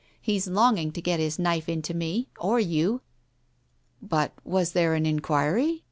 He's longing to get his knife into me — or you." "But was there an inquiry?